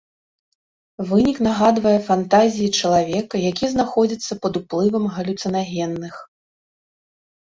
Вынік нагадвае фантазіі чалавека, які знаходзіцца пад уплывам галюцынагенных.